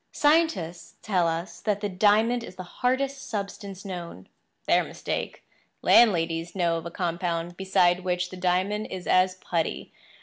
Scientists tell us that the diamond is the hardest substance known. Their mistake. Landladies know of a compound beside which the diamond is as putty.